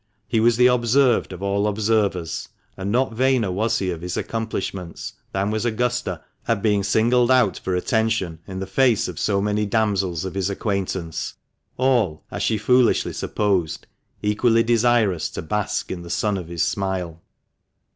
He was the observed of all observers, and not vainer was he of his accomplishments than was Augusta at being singled out for ON ARDWICK GREEN POND. THE MANCHESTER MAN. 275 attention in the face of so many damsels of his acquaintance, all, as she foolishly supposed, equally desirous to bask in the sun of his smile.